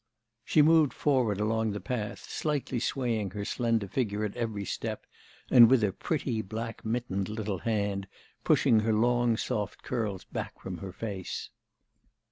She moved forward along the path, slightly swaying her slender figure at each step, and with a pretty black mittened little hand pushing her long soft curls back from her face.